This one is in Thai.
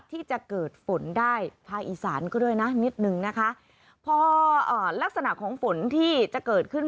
ที่จะเกิดฝนได้พอลักษณะของฝนที่จะเกิดขึ้น